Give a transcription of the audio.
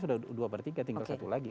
sudah dua per tiga tinggal satu lagi